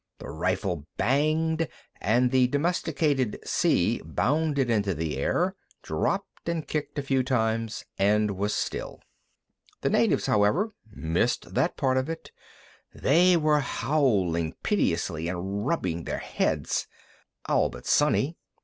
The rifle banged, and the Domesticated C bounded into the air, dropped, and kicked a few times and was still. The natives, however, missed that part of it; they were howling piteously and rubbing their heads. All but Sonny.